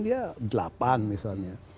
misalnya di depan misalnya